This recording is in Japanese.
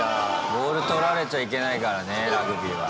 ボールとられちゃいけないからねラグビーは。